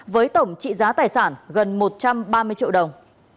với tổng trị giá tài sản gần một triệu đồng